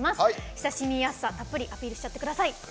親しみやすさたっぷりアピールしちゃってください。